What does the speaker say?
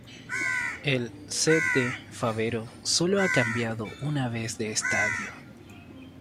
El C. D. Fabero solo ha cambiado una vez de estadio.